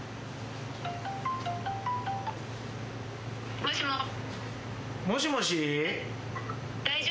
もしもし？